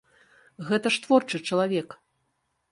Гэта ж творчы чалавек!